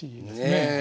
ねえ。